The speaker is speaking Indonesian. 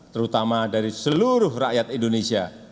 terutama dari seluruh rakyat indonesia